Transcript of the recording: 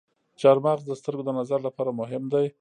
چارمغز د سترګو د نظر لپاره مهم دی.